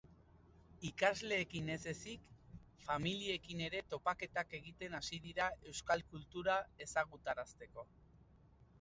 Ikasleekin ez ezik, familiekin ere topaketak egiten hasi dira euskal kultura ezagutarazteko.